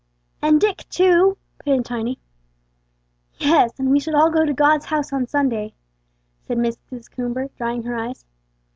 "And Dick, too," put in Tiny. "Yes, and we should all go to God's house on Sunday," said Mrs. Coomber, drying her eyes.